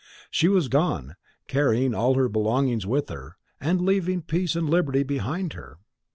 She was gone, carrying all her belongings with her, and leaving peace and liberty behind her.